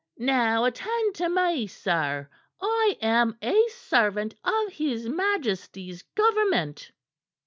"Now attend to me, sir! I am a servant of His Majesty's Government."